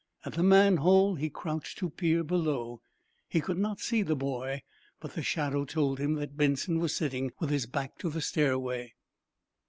At the manhole he crouched to peer below. He could not see the boy, but the shadow told him that Benson was sitting with his back to the stairway.